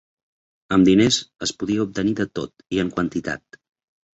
Amb diners, es podia obtenir de tot i en quantitat